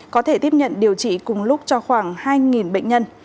có thể tiếp nhận điều trị cùng lúc cho khoảng hai bệnh nhân